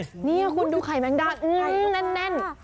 นี่คุณดูไข่แมงดาดแน่น